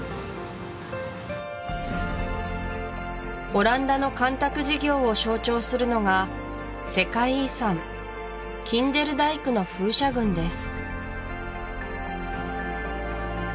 オランダの干拓事業を象徴するのが世界遺産キンデルダイクの風車群です